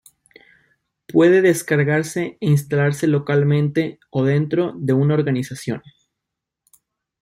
Puede descargarse e instalarse localmente o dentro de una organización.